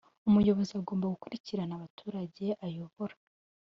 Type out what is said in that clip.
umuyobozi agomba gukurikirana abaturage ayobora